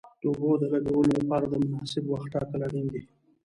د اوبو د لګولو لپاره د مناسب وخت ټاکل اړین دي.